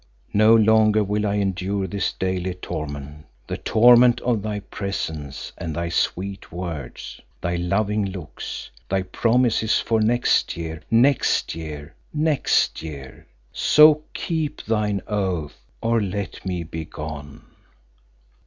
No longer will I endure this daily torment, the torment of thy presence and thy sweet words; thy loving looks, thy promises for next year, next year next year. So keep thine oath or let me begone."